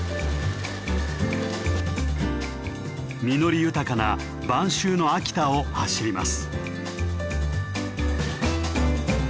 実り豊かな晩秋の秋田を走ります。